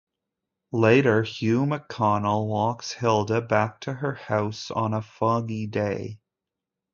Later, Hugh MacConnell walks Hilda back to her house on a foggy day.